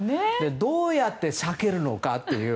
どうやって避けるのかという。